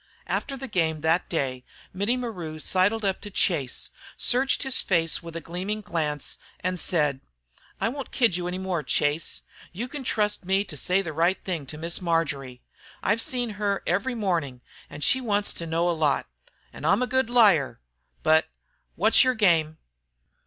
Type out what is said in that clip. After the game that day Mittie Maru sidled up to Chase, searched his face with a gleaming glance, and said: "I won't kid any more, Chase. You can trust me to say the right thing to Miss Marjory. I see her every mornin', an' she wants to know a lot. An' I'm a good liar. But wot's yer game?"